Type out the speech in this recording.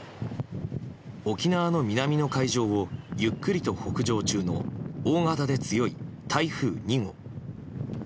沖縄の南の海上をゆっくりと北上中の大型で強い台風２号。